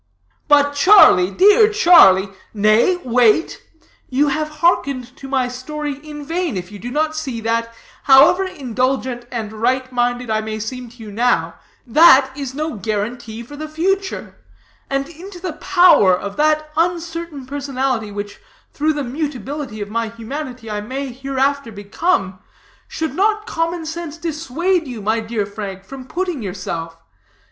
"But Charlie, dear Charlie " "Nay, wait. You have hearkened to my story in vain, if you do not see that, however indulgent and right minded I may seem to you now, that is no guarantee for the future. And into the power of that uncertain personality which, through the mutability of my humanity, I may hereafter become, should not common sense dissuade you, my dear Frank, from putting yourself?